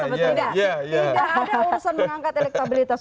tidak ada urusan mengangkat elektabilitas